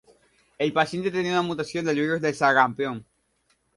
El paciente tenía una mutación del virus del sarampión.